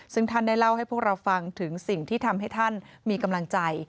ซึ่งท่านได้เล่าให้พวกเราฟังถึงสิ่งที่ทำให้ท่านมีกำลังใจ